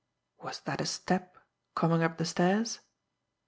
_Was that a step coming up the stairs?